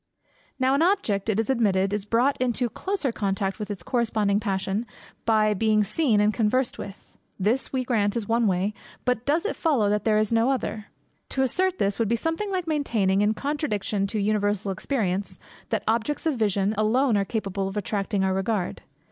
Now, an object, it is admitted, is brought into closer contact with its corresponding passion, by being seen and conversed with. This we grant is one way; but does it follow that there is no other? To assert this, would be something like maintaining, in contradiction to universal experience, that objects of vision alone are capable of attracting our regard.